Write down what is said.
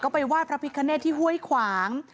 ก็ไปว่าพระพิคเนธที่ห้วยขวาง